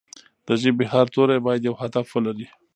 د ژبې هر توری باید یو هدف ولري.